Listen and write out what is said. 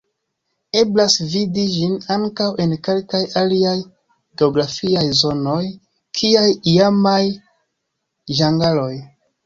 Eblas vidi ĝin ankaŭ en kelkaj aliaj geografiaj zonoj, kiaj iamaj ĝangaloj.